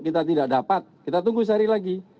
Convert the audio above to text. kita tidak dapat kita tunggu sehari lagi